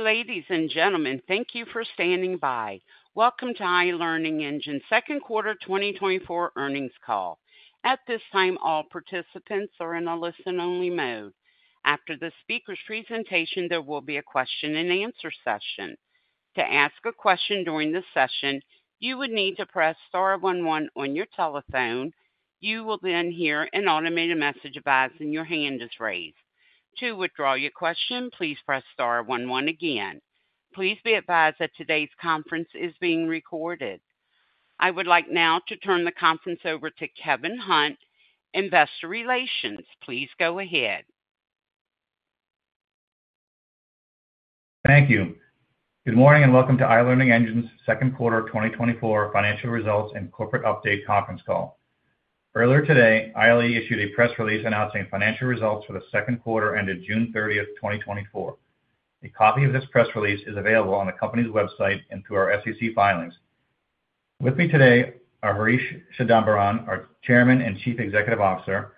Ladies and gentlemen, thank you for standing by. Welcome to iLearningEngines' Second Quarter 2024 Earnings Call. At this time, all participants are in a listen-only mode. After the speaker's presentation, there will be a question-and-answer session. To ask a question during the session, you would need to press star one one on your telephone. You will then hear an automated message advising your hand is raised. To withdraw your question, please press star one one again. Please be advised that today's conference is being recorded. I would like now to turn the conference over to Kevin Hunt, Investor Relations. Please go ahead. Thank you. Good morning, and welcome to iLearningEngines' Second Quarter 2024 Financial Results and Corporate Update Conference Call. Earlier today, ILE issued a press release announcing financial results for the second quarter ended June 30, 2024. A copy of this press release is available on the company's website and through our SEC filings. With me today are Harish Chidambaran, our Chairman and Chief Executive Officer,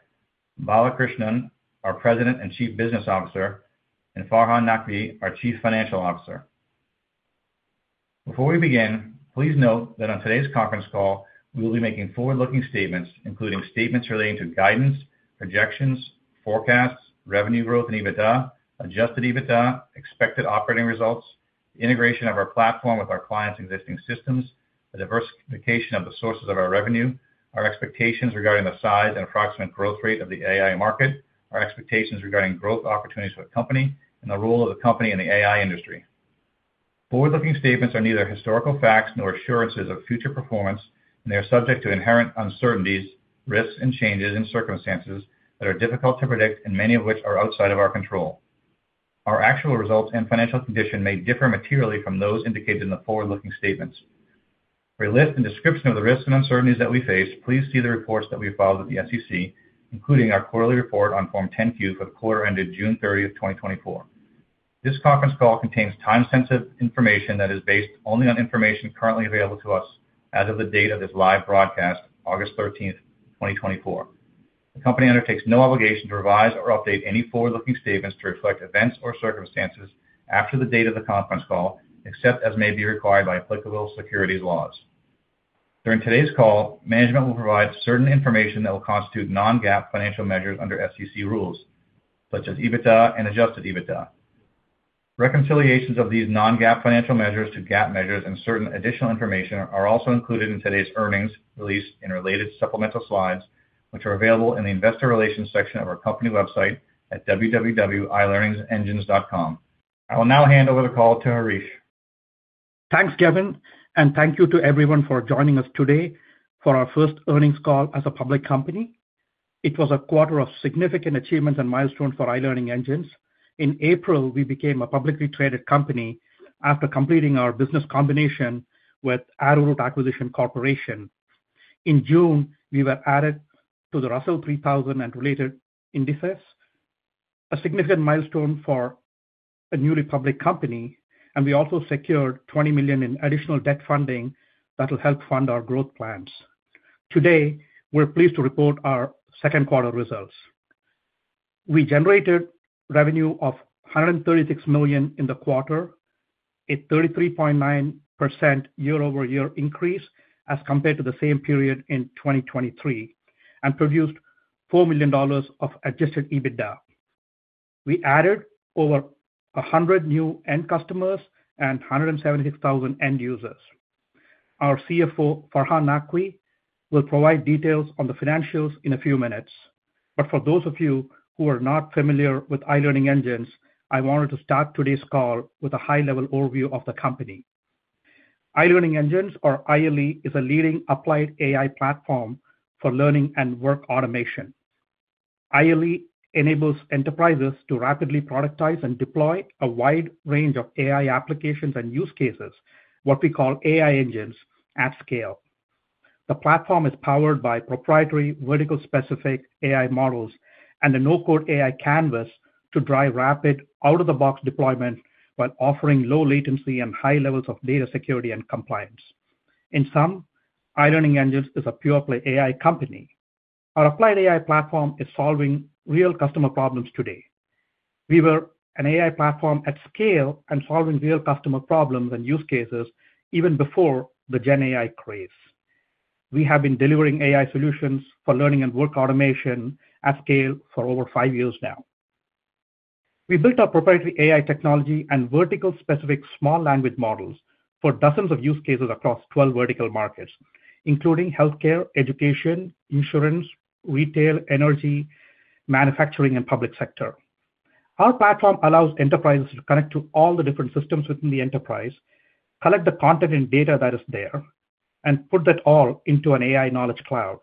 Bala Krishnan, our President and Chief Business Officer, and Farhan Naqvi, our Chief Financial Officer. Before we begin, please note that on today's conference call, we will be making forward-looking statements, including statements relating to guidance, projections, forecasts, revenue growth and EBITDA, Adjusted EBITDA, expected operating results, integration of our platform with our clients' existing systems, the diversification of the sources of our revenue, our expectations regarding the size and approximate growth rate of the AI market, our expectations regarding growth opportunities for the company, and the role of the company in the AI industry. Forward-looking statements are neither historical facts nor assurances of future performance, and they are subject to inherent uncertainties, risks, and changes in circumstances that are difficult to predict and many of which are outside of our control. Our actual results and financial condition may differ materially from those indicated in the forward-looking statements. For a list and description of the risks and uncertainties that we face, please see the reports that we filed with the SEC, including our quarterly report on Form 10-Q for the quarter ended June 30, 2024. This conference call contains time-sensitive information that is based only on information currently available to us as of the date of this live broadcast, August 13, 2024. The company undertakes no obligation to revise or update any forward-looking statements to reflect events or circumstances after the date of the conference call, except as may be required by applicable securities laws. During today's call, management will provide certain information that will constitute non-GAAP financial measures under SEC rules, such as EBITDA and adjusted EBITDA. Reconciliations of these non-GAAP financial measures to GAAP measures and certain additional information are also included in today's earnings release and related supplemental slides, which are available in the Investor Relations section of our company website at www.ilearningengines.com. I will now hand over the call to Harish. Thanks, Kevin, and thank you to everyone for joining us today for our first earnings call as a public company. It was a quarter of significant achievements and milestones for iLearningEngines. In April, we became a publicly traded company after completing our business combination with Arrowroot Acquisition Corporation. In June, we were added to the Russell 3000 and related indices, a significant milestone for a newly public company, and we also secured $20 million in additional debt funding that will help fund our growth plans. Today, we're pleased to report our second quarter results. We generated revenue of $136 million in the quarter, a 33.9% year-over-year increase as compared to the same period in 2023, and produced $4 million of adjusted EBITDA. We added over 100 new end customers and 176,000 end users. Our CFO, Farhan Naqvi, will provide details on the financials in a few minutes. For those of you who are not familiar with iLearningEngines, I wanted to start today's call with a high-level overview of the company. iLearningEngines, or ILE, is a leading applied AI platform for learning and work automation. ILE enables enterprises to rapidly productize and deploy a wide range of AI applications and use cases, what we call AI engines, at scale. The platform is powered by proprietary, vertical-specific AI models and a no-code AI Canvas to drive rapid out-of-the-box deployment while offering low latency and high levels of data security and compliance. In sum, iLearningEngines is a pure-play AI company. Our applied AI platform is solving real customer problems today. We were an AI platform at scale and solving real customer problems and use cases even before the GenAI craze. We have been delivering AI solutions for learning and work automation at scale for over five years now. We built our proprietary AI technology and vertical-specific small language models for dozens of use cases across 12 vertical markets, including healthcare, education, insurance, retail, energy, manufacturing, and public sector. Our platform allows enterprises to connect to all the different systems within the enterprise, collect the content and data that is there, and put that all into an AI knowledge cloud.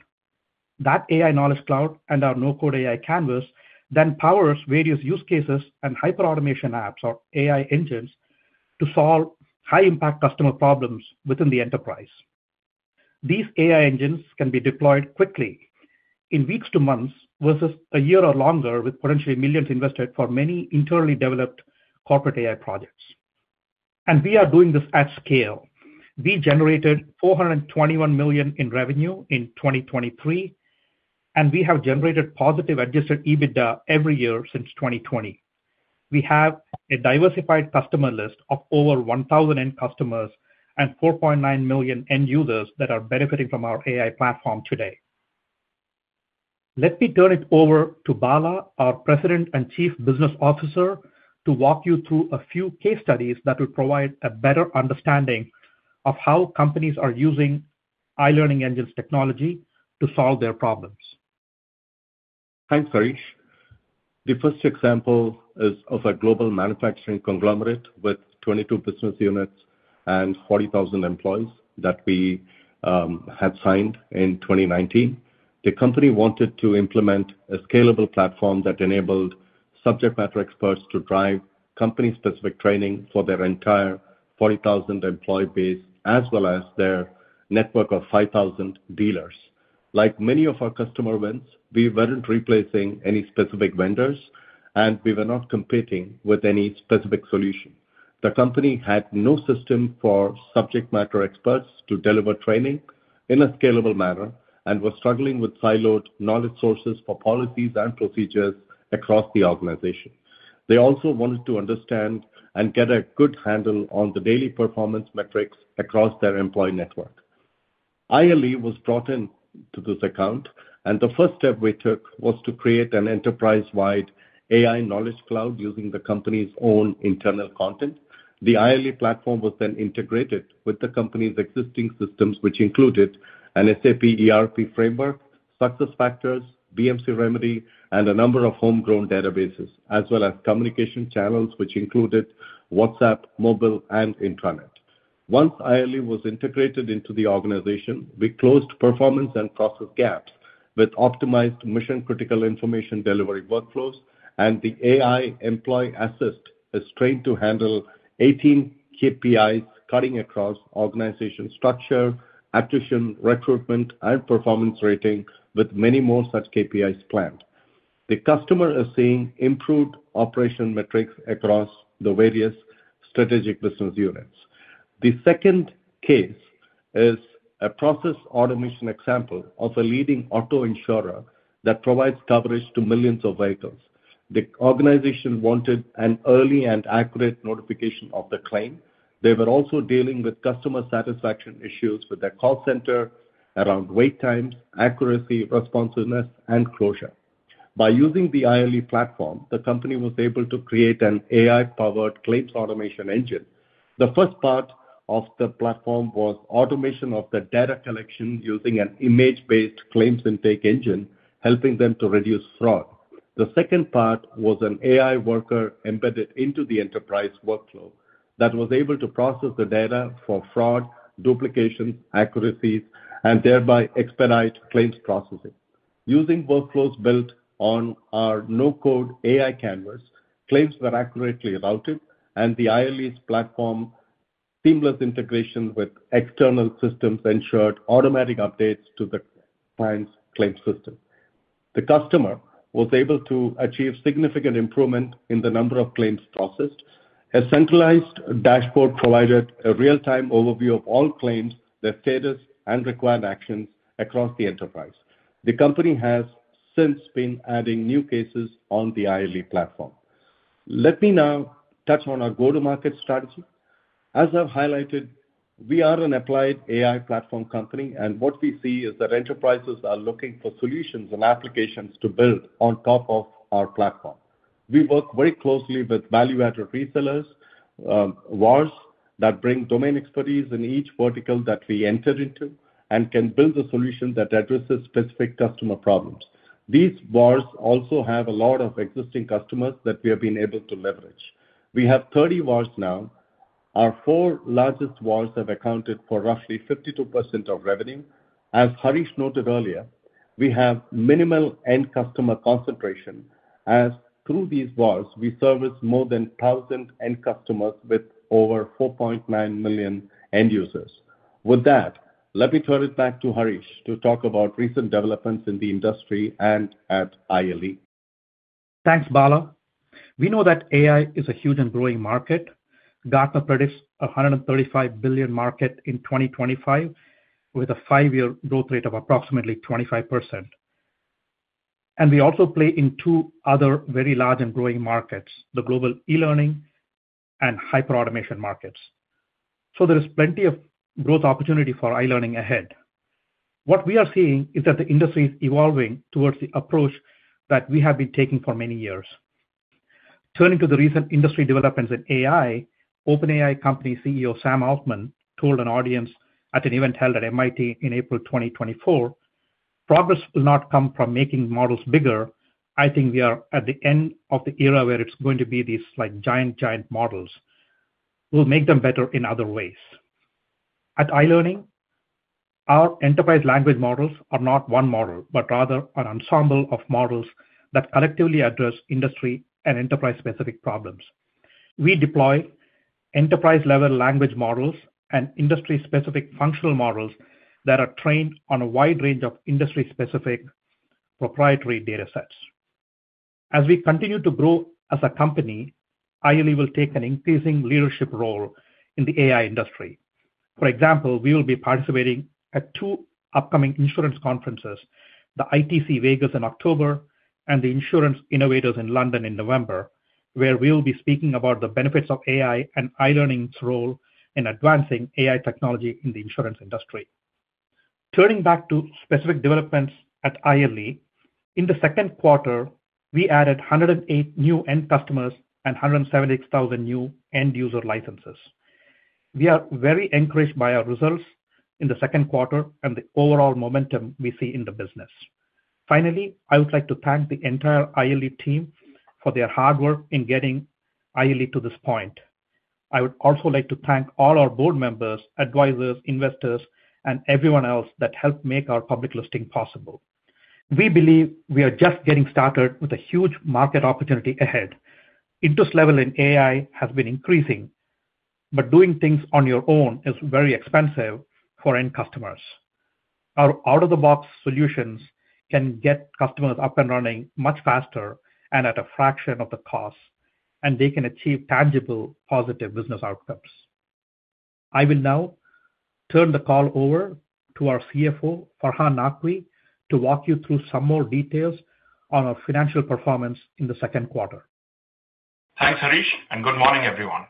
That AI knowledge cloud and our no-code AI Canvas then powers various use cases and hyperautomation apps or AI engines to solve high-impact customer problems within the enterprise. These AI engines can be deployed quickly in weeks to months, versus a year or longer, with potentially millions dollar invested for many internally developed corporate AI projects. We are doing this at scale. We generated $421 million in revenue in 2023, and we have generated positive adjusted EBITDA every year since 2020. We have a diversified customer list of over 1,000 end customers and 4.9 million end users that are benefiting from our AI platform today. Let me turn it over to Bala, our President and Chief Business Officer, to walk you through a few case studies that will provide a better understanding of how companies are using iLearningEngines technology to solve their problems. Thanks, Harish. The first example is of a global manufacturing conglomerate with 22 business units and 40,000 employees that we had signed in 2019. The company wanted to implement a scalable platform that enabled subject matter experts to drive company-specific training for their entire 40,000 employee base, as well as their network of 5,000 dealers. Like many of our customer wins, we weren't replacing any specific vendors, and we were not competing with any specific solution. The company had no system for subject matter experts to deliver training in a scalable manner and was struggling with siloed knowledge sources for policies and procedures across the organization. They also wanted to understand and get a good handle on the daily performance metrics across their employee network. iLE was brought in to this account, and the first step we took was to create an enterprise-wide AI knowledge cloud using the company's own internal content. The ILE platform was then integrated with the company's existing systems, which included an SAP ERP framework, SuccessFactors, BMC Remedy, and a number of homegrown databases, as well as communication channels, which included WhatsApp, mobile, and intranet. Once ILE was integrated into the organization, we closed performance and process gaps with optimized mission-critical information delivery workflows, and the AI employee assistant is trained to handle 18 KPIs, cutting across organization structure, attrition, recruitment, and performance rating, with many more such KPIs planned. The customer is seeing improved operation metrics across the various strategic business units. The second case is a process automation example of a leading auto insurer that provides coverage to millions of vehicles. The organization wanted an early and accurate notification of the claim. They were also dealing with customer satisfaction issues with their call center around wait times, accuracy, responsiveness, and closure. By using the ILE platform, the company was able to create an AI-powered claims automation engine. The first part of the platform was automation of the data collection using an image-based claims intake engine, helping them to reduce fraud. The second part was an AI worker embedded into the enterprise workflow that was able to process the data for fraud, duplication, accuracy, and thereby expedite claims processing. Using workflows built on our no-code AI Canvas, claims were accurately routed, and the ILE's platform seamless integration with external systems ensured automatic updates to the client's claims system. The customer was able to achieve significant improvement in the number of claims processed. A centralized dashboard provided a real-time overview of all claims, their status, and required actions across the enterprise. The company has since been adding new cases on the ILE platform. Let me now touch on our go-to-market strategy. As I've highlighted, we are an applied AI platform company, and what we see is that enterprises are looking for solutions and applications to build on top of our platform. We work very closely with value-added resellers, VARs, that bring domain expertise in each vertical that we enter into and can build a solution that addresses specific customer problems. These VARs also have a lot of existing customers that we have been able to leverage. We have 30 VARs now. Our four largest VARs have accounted for roughly 52% of revenue. As Harish noted earlier, we have minimal end customer concentration, as through these VARs, we service more than 1,000 end customers with over 4.9 million end users. With that, let me turn it back to Harish to talk about recent developments in the industry and at ILE. Thanks, Bala. We know that AI is a huge and growing market. Gartner predicts a $135 billion market in 2025, with a five year growth rate of approximately 25%. We also play in two other very large and growing markets, the global e-learning and hyper-automation markets. There is plenty of growth opportunity for ILearning ahead. What we are seeing is that the industry is evolving towards the approach that we have been taking for many years. Turning to the recent industry developments in AI, OpenAI company CEO Sam Altman told an audience at an event held at MIT in April 2024: "Progress will not come from making models bigger. I think we are at the end of the era where it's going to be these like giant, giant models. We'll make them better in other ways." At iLearning, our enterprise language models are not one model, but rather an ensemble of models that collectively address industry and enterprise-specific problems. We deploy enterprise-level language models and industry-specific functional models that are trained on a wide range of industry-specific proprietary data sets. As we continue to grow as a company, ILE will take an increasing leadership role in the AI industry. For example, we will be participating at two upcoming insurance conferences, the ITC Vegas in October and the Insurance Innovators in London in November, where we will be speaking about the benefits of AI and iLearning's role in advancing AI technology in the insurance industry. Turning back to specific developments at ILE, in the second quarter, we added 108 new end customers and 178,000 new end-user licenses. We are very encouraged by our results in the second quarter and the overall momentum we see in the business. Finally, I would like to thank the entire ILE team for their hard work in getting ILE to this point. I would also like to thank all our board members, advisors, investors, and everyone else that helped make our public listing possible. We believe we are just getting started with a huge market opportunity ahead. Interest level in AI has been increasing, but doing things on your own is very expensive for end customers. Our out-of-the-box solutions can get customers up and running much faster and at a fraction of the cost, and they can achieve tangible, positive business outcomes. I will now turn the call over to our CFO, Farhan Naqvi, to walk you through some more details on our financial performance in the second quarter. Thanks, Harish, and good morning, everyone.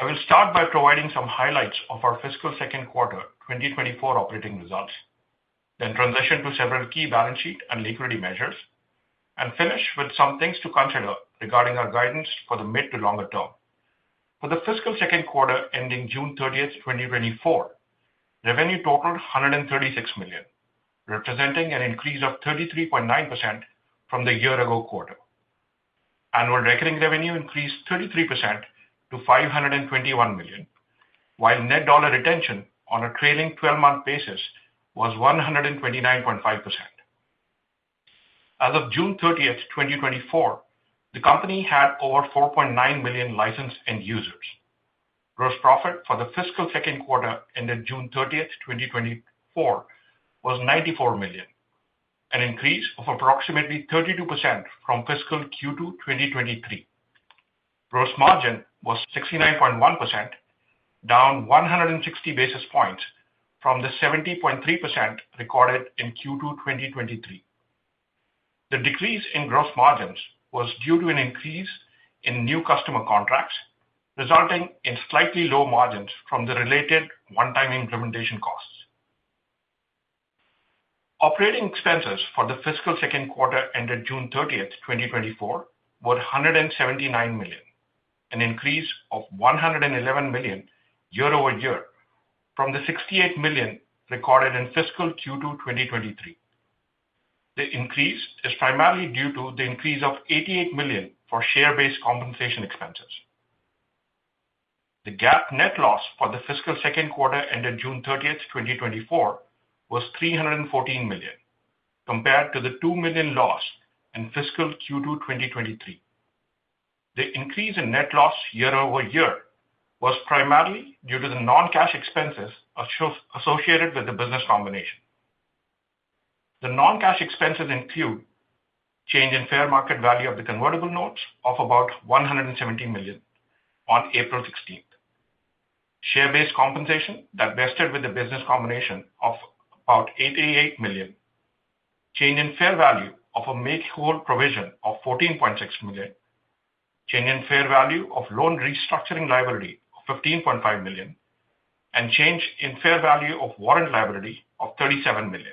I will start by providing some highlights of our fiscal second quarter 2024 operating results, then transition to several key balance sheet and liquidity measures, and finish with some things to consider regarding our guidance for the mid to longer term. For the fiscal second quarter, ending June 30, 2024, revenue totaled $136 million, representing an increase of 33.9% from the year ago quarter. Annual recurring revenue increased 33% to $521 million, while net dollar retention on a trailing 12 month basis was 129.5%. As of June 30, 2024, the company had over 4.9 million licensed end users. Gross profit for the fiscal second quarter, ending June 30, 2024, was $94 million, an increase of approximately 32% from fiscal Q2 2023. Gross margin was 69.1%, down 160 basis points from the 70.3% recorded in Q2 2023. The decrease in gross margins was due to an increase in new customer contracts, resulting in slightly low margins from the related one-time implementation costs. Operating expenses for the fiscal second quarter, ended June 30, 2024, were $179 million, an increase of $111 million year-over-year from the $68 million recorded in fiscal Q2 2023. The increase is primarily due to the increase of $88 million for share-based compensation expenses. The GAAP net loss for the fiscal second quarter, ended June 30, 2024, was $314 million, compared to the $2 million loss in fiscal Q2 2023. The increase in net loss year-over-year was primarily due to the non-cash expenses associated with the business combination. The non-cash expenses include change in fair market value of the convertible notes of about $170 million on April 16. Share-based compensation that vested with the business combination of about $88 million, change in fair value of a make-whole provision of $14.6 million, change in fair value of loan restructuring liability of $15.5 million, and change in fair value of warrant liability of $37 million.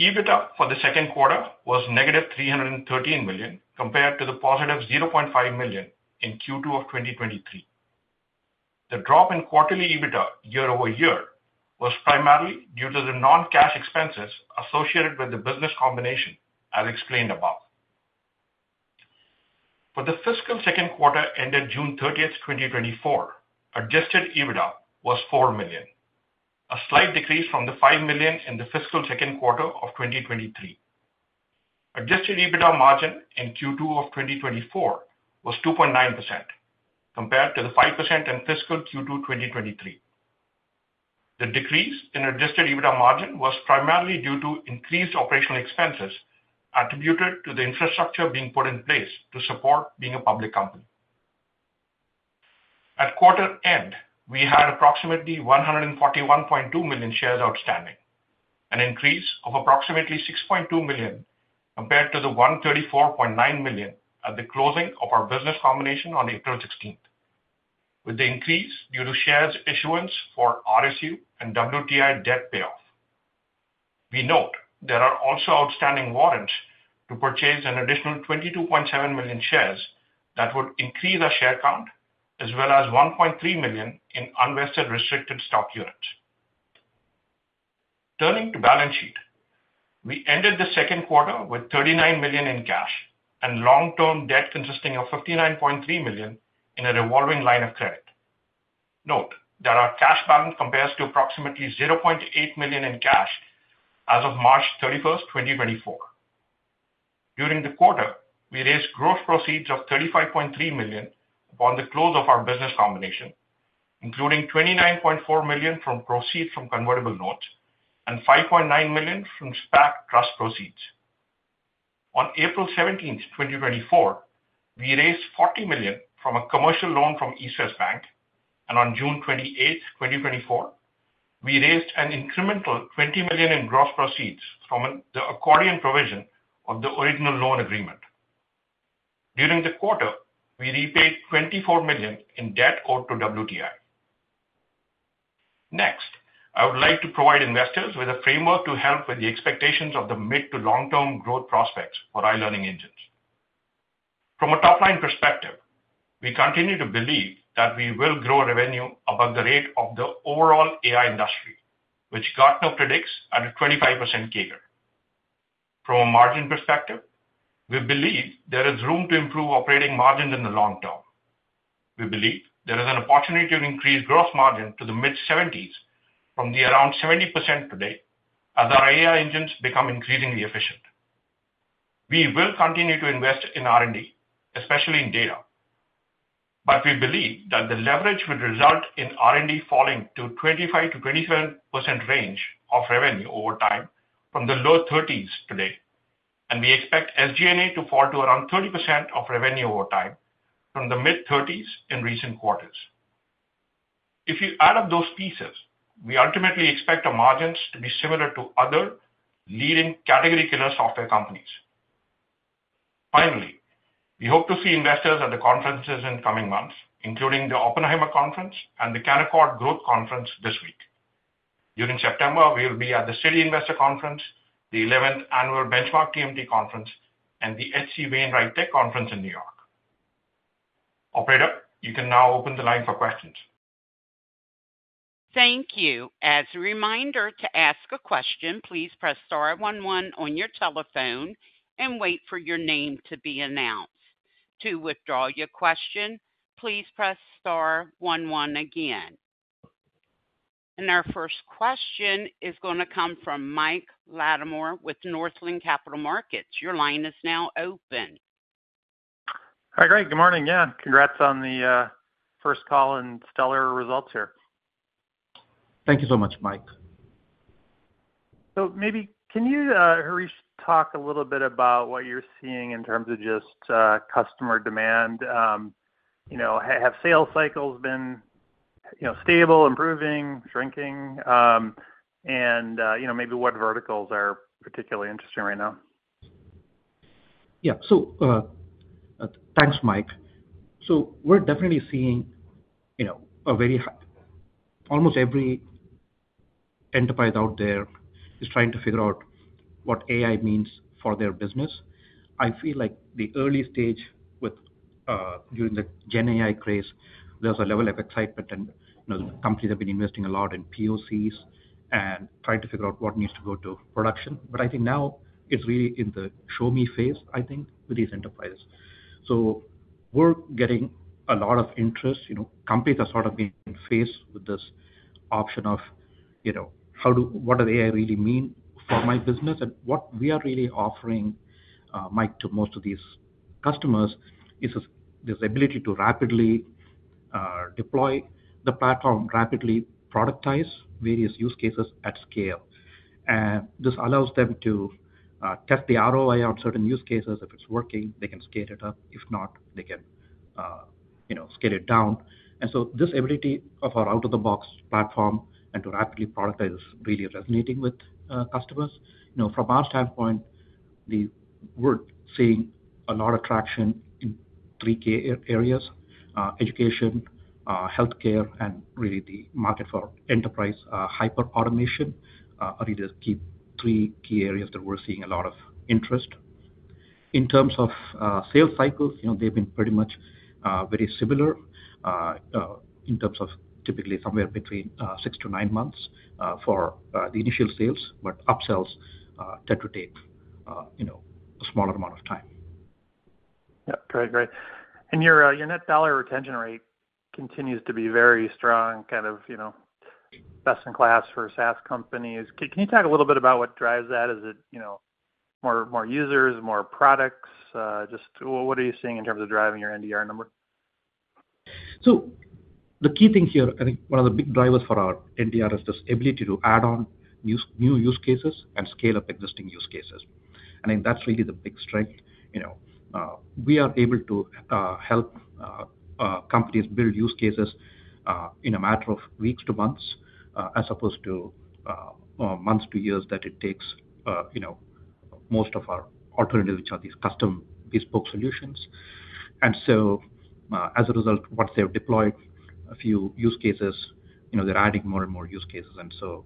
EBITDA for the second quarter was negative $313 million, compared to the positive $0.5 million in Q2 of 2023. The drop in quarterly EBITDA year-over-year was primarily due to the non-cash expenses associated with the business combination, as explained above. For the fiscal second quarter, ended June 30, 2024, Adjusted EBITDA was $4 million, a slight decrease from the $5 million in the fiscal second quarter of 2023. Adjusted EBITDA margin in Q2 of 2024 was 2.9%, compared to the 5% in fiscal Q2 2023. The decrease in Adjusted EBITDA margin was primarily due to increased operational expenses attributed to the infrastructure being put in place to support being a public company. At quarter end, we had approximately 141.2 million shares outstanding, an increase of approximately 6.2 million, compared to the 134.9 million at the closing of our business combination on April 16, with the increase due to shares issuance for RSU and WTI debt payoff. We note there are also outstanding warrants to purchase an additional 22.7 million shares that would increase our share count, as well as 1.3 million in unvested restricted stock units. Turning to balance sheet, we ended the second quarter with $39 million in cash and long-term debt consisting of $59.3 million in a revolving line of credit. Note that our cash balance compares to approximately $0.8 million in cash as of March 31st, 2024. During the quarter, we raised gross proceeds of $35.3 million upon the close of our business combination.... including $29.4 million from proceeds from convertible notes and $5.9 million from SPAC trust proceeds. On April 17, 2024, we raised $40 million from a commercial loan from East West Bank, and on June 28, 2024, we raised an incremental $20 million in gross proceeds from an accordion provision of the original loan agreement. During the quarter, we repaid $24 million in debt owed to WTI. Next, I would like to provide investors with a framework to help with the expectations of the mid to long-term growth prospects for iLearningEngines. From a top-line perspective, we continue to believe that we will grow revenue above the rate of the overall AI industry, which Gartner predicts at a 25% CAGR. From a margin perspective, we believe there is room to improve operating margin in the long term. We believe there is an opportunity to increase gross margin to the mid-70s% from around 70% today as our AI engines become increasingly efficient. We will continue to invest in R&D, especially in data, but we believe that the leverage would result in R&D falling to 25% to 27% range of revenue over time from the low 30s% today, and we expect SG&A to fall to around 30% of revenue over time from the mid-30s% in recent quarters. If you add up those pieces, we ultimately expect our margins to be similar to other leading category killer software companies. Finally, we hope to see investors at the conferences in coming months, including the Oppenheimer Conference and the Canaccord Growth Conference this week. During September, we will be at the Citi Investor Conference, the 11th Annual Benchmark TMT Conference, and the HC Wainwright Tech Conference in New York. Operator, you can now open the line for questions. Thank you. As a reminder, to ask a question, please press star one one on your telephone and wait for your name to be announced. To withdraw your question, please press star one one again. And our first question is gonna come from Mike Latimore with Northland Capital Markets. Your line is now open. Hi, great. Good morning, yeah. Congrats on the first call and stellar results here. Thank you so much, Mike. So maybe can you, Harish, talk a little bit about what you're seeing in terms of just customer demand? You know, have sales cycles been, you know, stable, improving, shrinking, and you know, maybe what verticals are particularly interesting right now? Yeah. So, thanks, Mike. So we're definitely seeing, you know, a very high, almost every enterprise out there is trying to figure out what AI means for their business. I feel like the early stage with, during the GenAI craze, there was a level of excitement, and, you know, companies have been investing a lot in POCs and trying to figure out what needs to go to production. But I think now it's really in the show me phase, I think, with these enterprises. So we're getting a lot of interest. You know, companies are sort of being faced with this option of, you know, how do, what does AI really mean for my business? And what we are really offering, Mike, to most of these customers is this, this ability to rapidly, deploy the platform, rapidly productize various use cases at scale. This allows them to test the ROI on certain use cases. If it's working, they can scale it up, if not, they can, you know, scale it down. So this ability of our out-of-the-box platform and to rapidly productize is really resonating with customers. You know, from our standpoint, we're seeing a lot of traction in three key areas, education, healthcare, and really the market for enterprise hyper-automation are really the key three key areas that we're seeing a lot of interest. In terms of sales cycles, you know, they've been pretty much very similar in terms of typically somewhere between six to nine months for the initial sales, but upsells tend to take, you know, a smaller amount of time. Yeah. Great, great. And your net dollar retention rate continues to be very strong, kind of, you know, best in class for SaaS companies. Can you talk a little bit about what drives that? Is it, you know, more users, more products? Just what are you seeing in terms of driving your NDR number? So the key thing here, I think one of the big drivers for our NDR, is this ability to add on new use cases and scale up existing use cases. I think that's really the big strength. You know, we are able to help companies build use cases in a matter of weeks to months, as opposed to months to years that it takes, you know, most of our alternatives, which are these custom bespoke solutions. And so, as a result, once they've deployed a few use cases, you know, they're adding more and more use cases. And so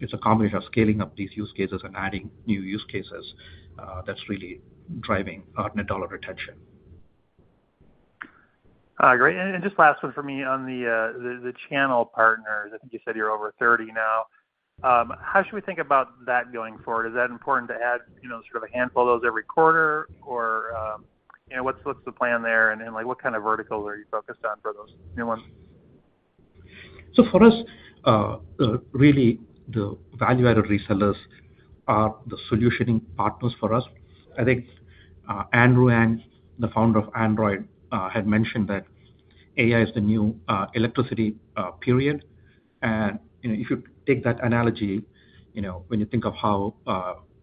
it's a combination of scaling up these use cases and adding new use cases, that's really driving net dollar retention. Great. Just last one for me on the channel partners. I think you said you're over 30 now. How should we think about that going forward? Is that important to add, you know, sort of a handful of those every quarter? Or, you know, what's the plan there, and then, like, what kind of verticals are you focused on for those new ones? ...So for us, really, the value-added resellers are the solutioning partners for us. I think, Andrew Ng, the founder of DeepLearning.AI, had mentioned that AI is the new electricity, period. And, you know, if you take that analogy, you know, when you think of how,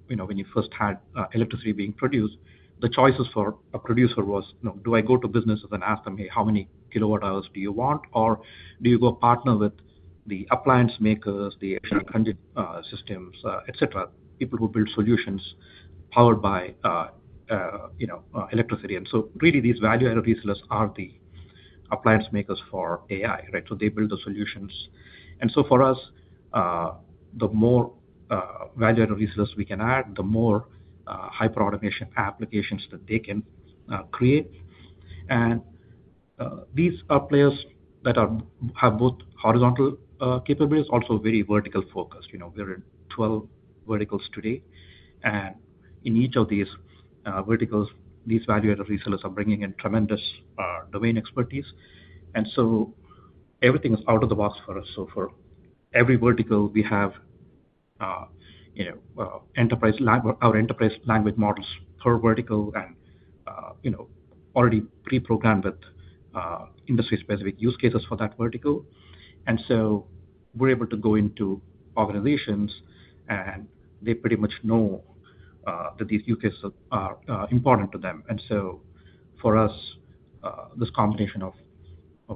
you know, when you first had electricity being produced, the choices for a producer was, you know, do I go to businesses and ask them: Hey, how many kilowatt hours do you want? Or do you go partner with the appliance makers, the actual systems, et cetera, people who build solutions powered by, you know, electricity. And so really, these value-added resellers are the appliance makers for AI, right? So they build the solutions. And so for us, the more value-added resellers we can add, the more hyperautomation applications that they can create. And these are players that have both horizontal capabilities, also very vertical focused. You know, we're in 12 verticals today, and in each of these verticals, these value-added resellers are bringing in tremendous domain expertise. And so everything is out of the box for us. So for every vertical we have, you know, our Enterprise Language Models per vertical and, you know, already preprogrammed with industry-specific use cases for that vertical. And so we're able to go into organizations, and they pretty much know that these use cases are important to them. So for us, this combination of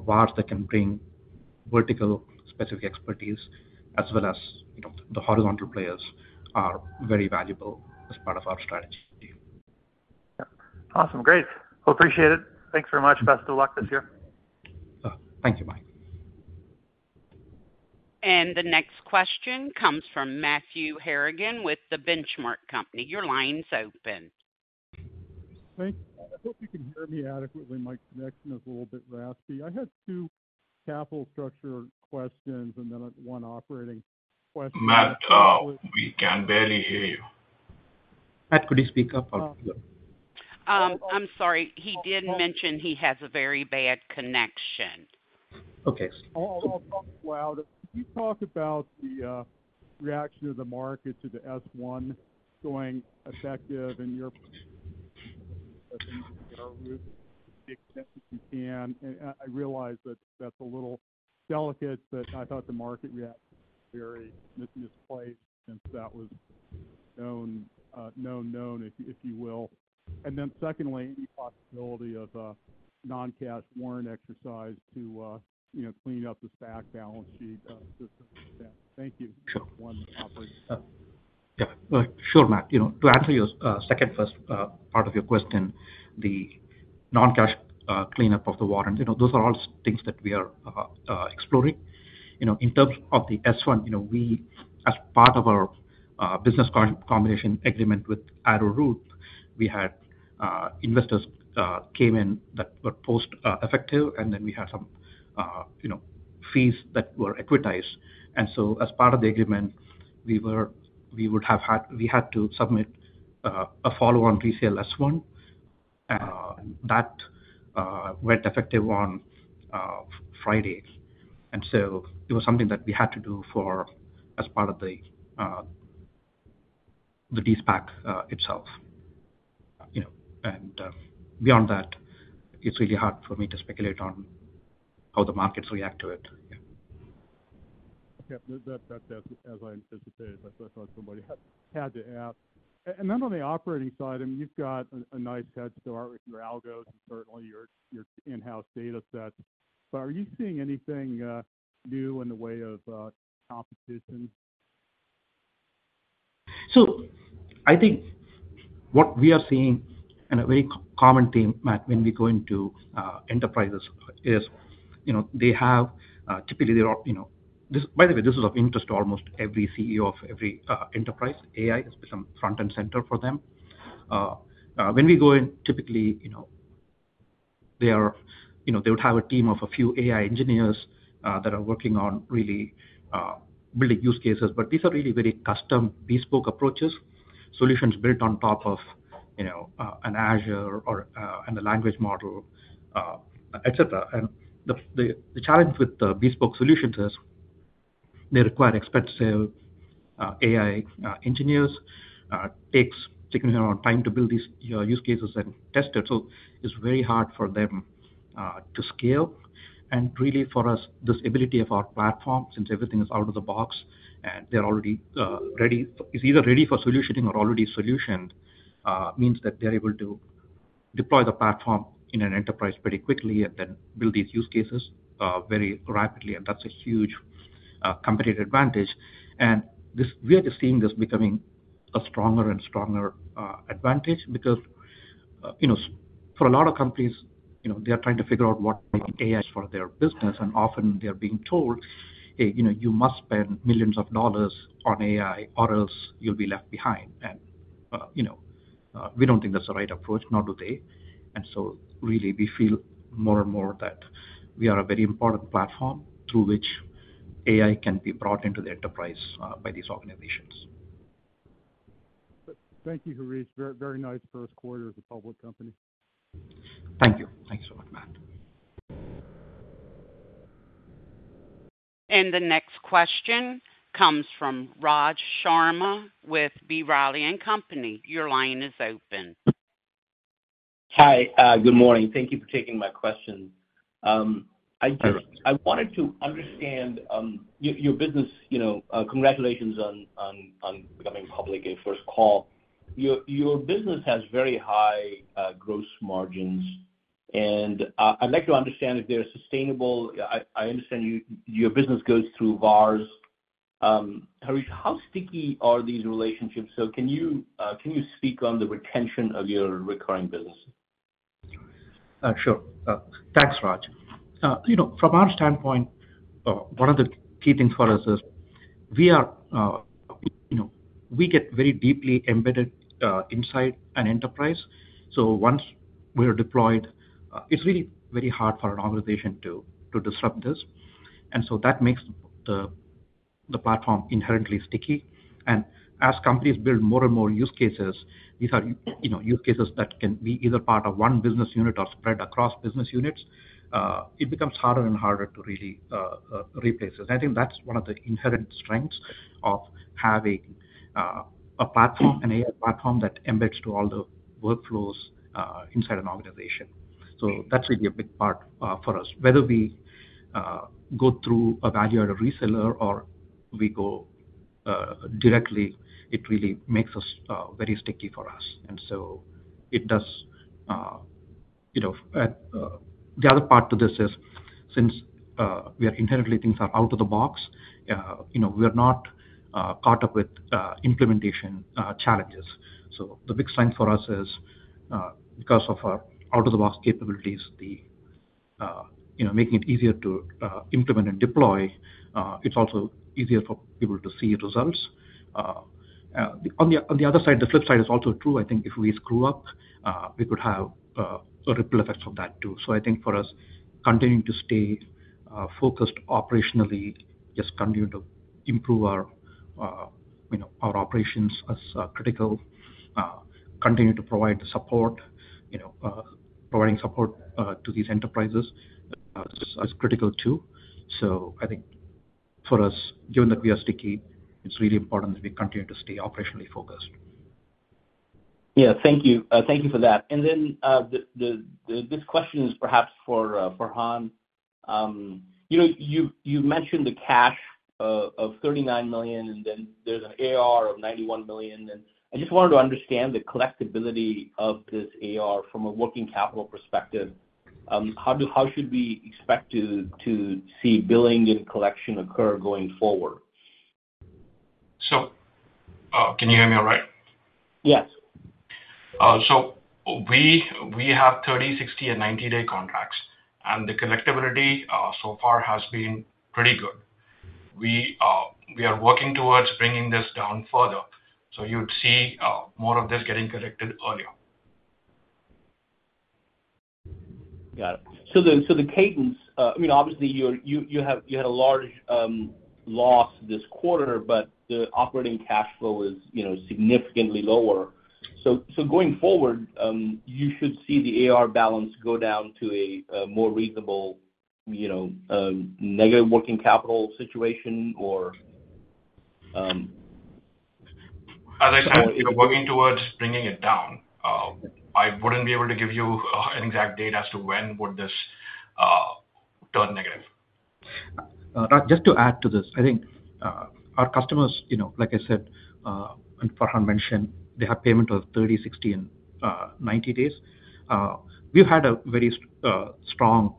VARs that can bring vertical-specific expertise as well as, you know, the horizontal players are very valuable as part of our strategy. Yeah. Awesome. Great. Well, appreciate it. Thanks very much. Best of luck this year. Thank you, Mike. The next question comes from Matthew Harrigan with The Benchmark Company. Your line's open. Thank you. I hope you can hear me adequately. My connection is a little bit raspy. I had two capital structure questions and then one operating question. Matt, we can barely hear you. Matt, could you speak up? I'm sorry. He did mention he has a very bad connection. Okay. I'll talk loud. Can you talk about the reaction of the market to the S-1 going effective and your... if you can. And I realize that that's a little delicate, but I thought the market reacted very misplaced, since that was known, if you will. And then secondly, any possibility of a non-cash warrant exercise to, you know, clean up the stack balance sheet... Thank you. Operator. Yeah, sure, Matt. You know, to answer your second, first part of your question, the non-cash cleanup of the warrants, you know, those are all things that we are exploring. You know, in terms of the S-1, you know, we, as part of our business combination agreement with Arrowroot, we had investors came in that were post effective, and then we had some, you know, fees that were equitized. And so as part of the agreement, we had to submit a follow-on PCL S-1 that went effective on Friday. And so it was something that we had to do for as part of the de-SPAC itself, you know. Beyond that, it's really hard for me to speculate on how the markets react to it. Yeah. Okay. That, that's as I anticipated, but I thought somebody had to ask. And then on the operating side, I mean, you've got a nice head start with your algos and certainly your in-house data sets. But are you seeing anything new in the way of competition? So I think what we are seeing, and a very common theme, Matt, when we go into enterprises is, you know, they have, typically, they are, you know, this, by the way, this is of interest to almost every CEO of every enterprise. AI is some front and center for them. When we go in, typically, you know, they are, you know, they would have a team of a few AI engineers that are working on really building use cases, but these are really very custom, bespoke approaches, solutions built on top of, you know, an Azure or and a language model, et cetera. And the challenge with the bespoke solutions is they require expensive AI engineers takes significant amount of time to build these, you know, use cases and test it. So it's very hard for them to scale. And really for us, this ability of our platform, since everything is out of the box and they're already ready, it's either ready for solutioning or already solutioned means that they're able to deploy the platform in an enterprise pretty quickly and then build these use cases very rapidly. And that's a huge competitive advantage. And this we are just seeing this becoming a stronger and stronger advantage because you know, for a lot of companies, you know, they are trying to figure out what AI is for their business, and often they are being told, "Hey, you know, you must spend millions of dollars on AI or else you'll be left behind." And you know we don't think that's the right approach, nor do they. And so really, we feel more and more that we are a very important platform through which AI can be brought into the enterprise by these organizations.... Thank you, Harish. Very, very nice first quarter as a public company. Thank you. Thanks so much, Matt. The next question comes from Raj Sharma with B. Riley Securities. Your line is open. Hi, good morning. Thank you for taking my question. I wanted to understand your business, you know, congratulations on becoming public, your first call. Your business has very high gross margins, and I'd like to understand if they're sustainable. I understand your business goes through VARs. Harish, how sticky are these relationships? So can you speak on the retention of your recurring business? Sure. Thanks, Raj. You know, from our standpoint, one of the key things for us is we are, you know, we get very deeply embedded inside an enterprise. So once we are deployed, it's really very hard for an organization to disrupt this. And so that makes the platform inherently sticky. And as companies build more and more use cases, these are, you know, use cases that can be either part of one business unit or spread across business units, it becomes harder and harder to really replace this. I think that's one of the inherent strengths of having a platform, an AI platform that embeds to all the workflows inside an organization. So that's really a big part for us. Whether we go through a value-added reseller or we go directly, it really makes us very sticky for us. And so it does, you know. The other part to this is, since we are inherently things are out of the box, you know, we are not caught up with implementation challenges. So the big sign for us is, because of our out-of-the-box capabilities, you know, making it easier to implement and deploy, it's also easier for people to see results. On the other side, the flip side is also true. I think if we screw up, we could have a ripple effect from that, too. So I think for us, continuing to stay focused operationally, just continue to improve our, you know, our operations is critical. Continue to provide the support, you know, providing support to these enterprises is critical, too. So I think for us, given that we are sticky, it's really important that we continue to stay operationally focused. Yeah. Thank you. Thank you for that. And then, this question is perhaps for Farhan. You know, you mentioned the cash of $39 million, and then there's an AR of $91 million, and I just wanted to understand the collectibility of this AR from a working capital perspective. How should we expect to see billing and collection occur going forward? Can you hear me all right? Yes. So we, we have 30-, 60-, and 90-day contracts, and the collectibility, so far has been pretty good. We, we are working towards bringing this down further, so you'd see, more of this getting collected earlier. Got it. So the cadence, I mean, obviously, you had a large loss this quarter, but the operating cash flow is, you know, significantly lower. So going forward, you should see the AR balance go down to a more reasonable, you know, negative working capital situation, or- As I said, we're working towards bringing it down. I wouldn't be able to give you an exact date as to when would this turn negative. Raj, just to add to this. I think our customers, you know, like I said, and Farhan mentioned, they have payment of 30, 60, and 90 days. We've had a very strong,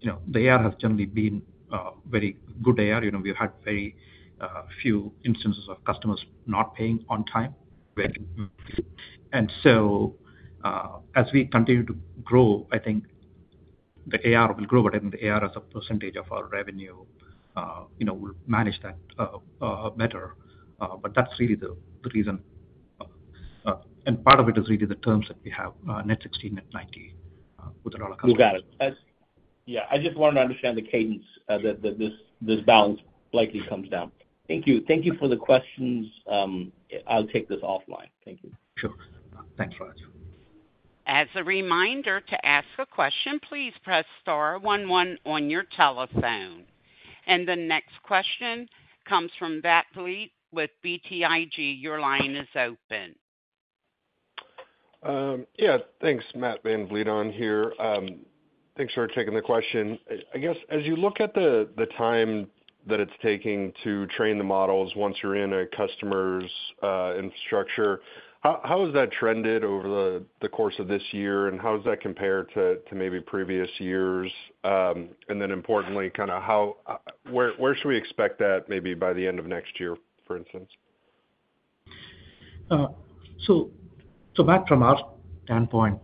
you know, the AR has generally been very good AR. You know, we've had very few instances of customers not paying on time. And so, as we continue to grow, I think the AR will grow, but I think the AR as a percentage of our revenue, you know, we'll manage that better. But that's really the reason. And part of it is really the terms that we have, net 60, net 90, with all our customers. We got it. That's. Yeah, I just wanted to understand the cadence that this balance likely comes down. Thank you. Thank you for the questions. I'll take this offline. Thank you. Sure. Thanks, Raj. As a reminder, to ask a question, please press star one one on your telephone. The next question comes from Matthew VanVliet with BTIG. Your line is open. Yeah, thanks, Matt VanVliet on here. Thanks for taking the question. I, I guess, as you look at the time that it's taking to train the models once you're in a customer's infrastructure, how has that trended over the course of this year, and how does that compare to maybe previous years? And then importantly, kind of how, where should we expect that maybe by the end of next year, for instance? So, Matt, from our standpoint,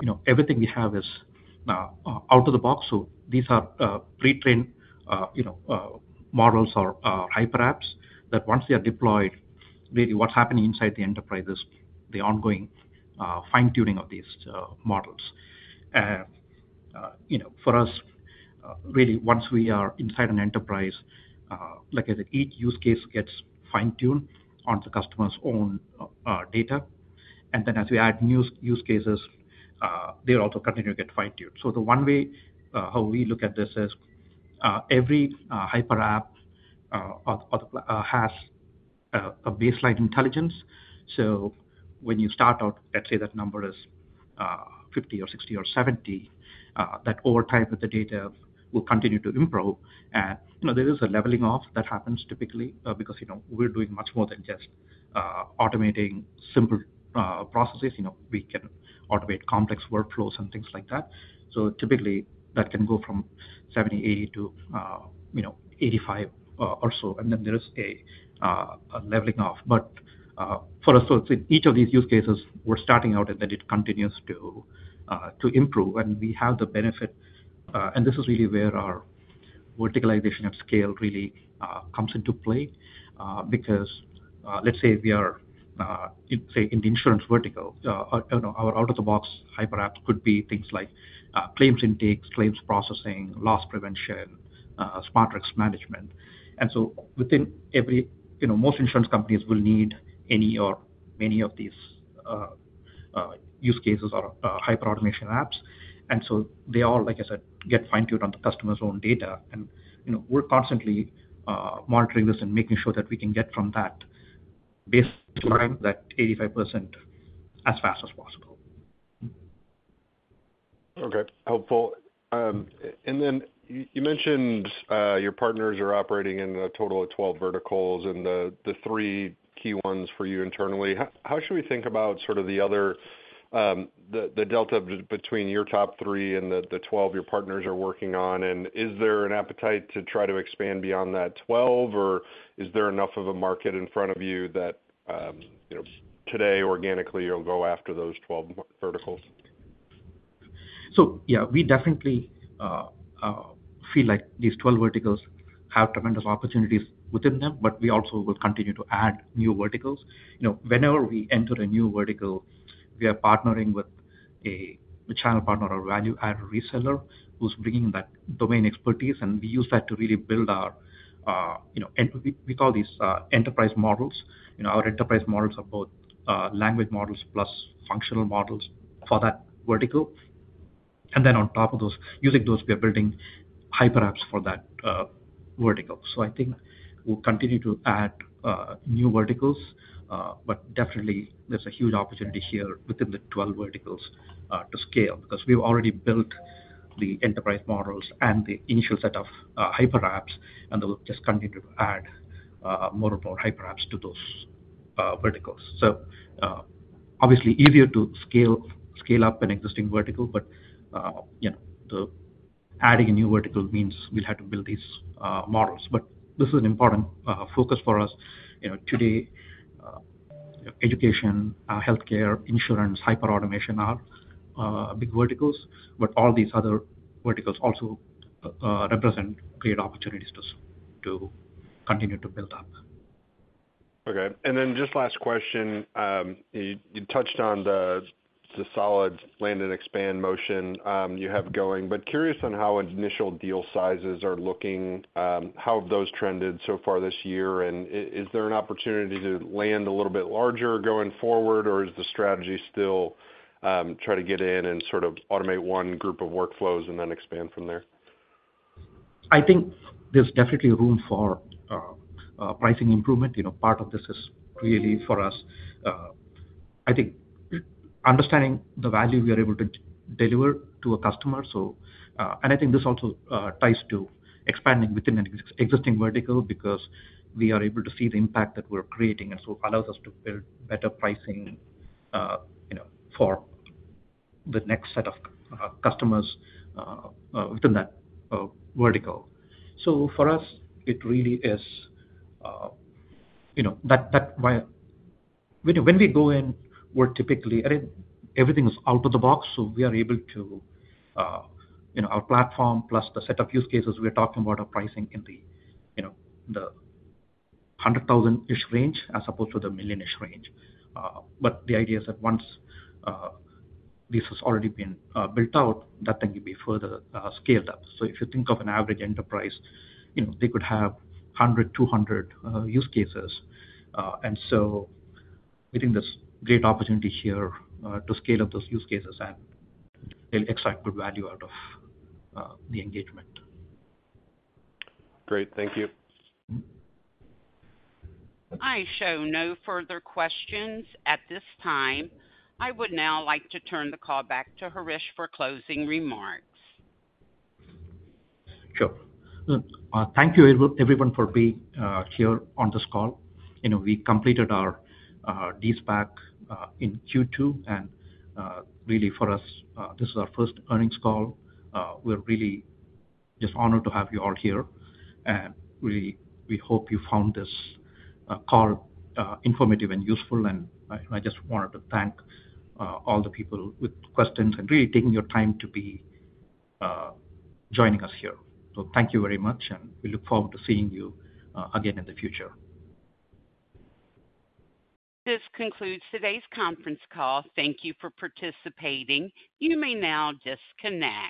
you know, everything we have is out of the box. So these are pre-trained, you know, models or Hyperapps, that once they are deployed, really what's happening inside the enterprise is the ongoing fine-tuning of these models. You know, for us, really, once we are inside an enterprise, like I said, each use case gets fine-tuned on the customer's own data. And then as we add new use cases, they also continue to get fine-tuned. So the one way how we look at this is every Hyperapp has a baseline intelligence. So when you start out, let's say that number is 50 or 60 or 70, that over time, with the data, will continue to improve. You know, there is a leveling off that happens typically, because, you know, we're doing much more than just automating simple processes. You know, we can automate complex workflows and things like that. So typically, that can go from 70-80 to 85 or so, and then there is a leveling off. But for us, so with each of these use cases, we're starting out, and then it continues to improve, and we have the benefit. And this is really where our verticalization of scale really comes into play, because let's say we are, say, in the insurance vertical, you know, our out-of-the-box Hyperapp could be things like claims intakes, claims processing, loss prevention, smart risk management. And so within every... You know, most insurance companies will need any or many of these, use cases or, hyperautomation apps, and so they all, like I said, get fine-tuned on the customer's own data. And, you know, we're constantly, monitoring this and making sure that we can get from that baseline, that 85% as fast as possible. Okay. Helpful. And then you mentioned your partners are operating in a total of 12 verticals, and the three key ones for you internally. How should we think about sort of the other, the delta between your top three and the 12 your partners are working on? And is there an appetite to try to expand beyond that 12, or is there enough of a market in front of you that, you know, today, organically, you'll go after those 12 verticals? So, yeah, we definitely feel like these 12 verticals have tremendous opportunities within them, but we also will continue to add new verticals. You know, whenever we enter a new vertical, we are partnering with a channel partner or value-added reseller who's bringing that domain expertise, and we use that to really build our, you know. And we call these enterprise models. You know, our enterprise models are both language models plus functional models for that vertical. And then on top of those, using those, we are building Hyperapps for that vertical. So I think we'll continue to add new verticals, but definitely there's a huge opportunity here within the 12 verticals to scale, because we've already built the enterprise models and the initial set of hyperapps, and we'll just continue to add more and more hyperapps to those verticals. So obviously, easier to scale up an existing vertical, but you know, the adding a new vertical means we'll have to build these models. But this is an important focus for us. You know, today, education, healthcare, insurance, hyperautomation are big verticals, but all these other verticals also represent great opportunities to continue to build up. Okay. And then just last question. You, you touched on the, the solid land and expand motion, you have going, but curious on how initial deal sizes are looking. How have those trended so far this year, and is there an opportunity to land a little bit larger going forward, or is the strategy still, try to get in and sort of automate one group of workflows and then expand from there? I think there's definitely room for pricing improvement. You know, part of this is really for us, I think understanding the value we are able to deliver to a customer, so... And I think this also ties to expanding within an existing vertical, because we are able to see the impact that we're creating, and so allows us to build better pricing, you know, for the next set of customers within that vertical. So for us, it really is, you know, that why... When we go in, we're typically, I mean, everything is out of the box, so we are able to, you know, our platform plus the set of use cases, we're talking about our pricing in the, you know, the $100,000-ish range as opposed to the $1 million-ish range. But the idea is that once this has already been built out, that can be further scaled up. So if you think of an average enterprise, you know, they could have 100, 200 use cases. And so we think there's great opportunity here to scale up those use cases and extract good value out of the engagement. Great. Thank you. I show no further questions at this time. I would now like to turn the call back to Harish for closing remarks. Sure. Thank you, everyone, for being here on this call. You know, we completed our De-SPAC in Q2, and really, for us, this is our first earnings call. We're really just honored to have you all here, and we hope you found this call informative and useful. And I just wanted to thank all the people with questions and really taking your time to be joining us here. So thank you very much, and we look forward to seeing you again in the future. This concludes today's conference call. Thank you for participating. You may now disconnect.